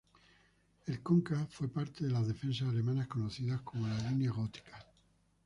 El Conca fue parte de las defensas alemanas conocidas como la Línea Gótica.